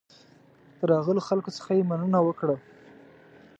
د راغلو خلکو څخه یې مننه وکړه.